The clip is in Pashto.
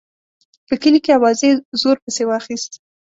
په کلي کې اوازې زور پسې واخیست.